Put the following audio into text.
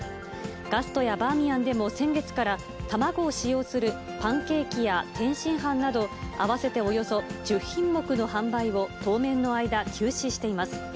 ガストやバーミヤンでも、先月から卵を使用するパンケーキや天津飯など、合わせておよそ１０品目の販売を当面の間、休止しています。